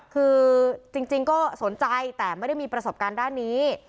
คือจริงก็สนใจแต่ไม่ได้มีประสบการณ์ด้านนี้